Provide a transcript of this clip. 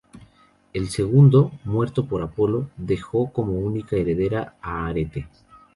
El segundo, muerto por Apolo, dejó como única heredera a Arete.